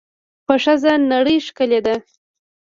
په ښځه نړۍ ښکلې ده.